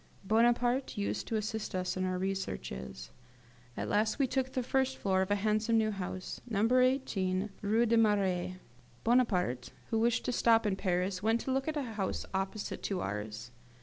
Bonaparte used to assist us in our researches. At last we took the first floor of a handsome new house, No. 19 Rue des Marais. Bonaparte, who wished to stop in Paris, went to look at a house opposite to ours.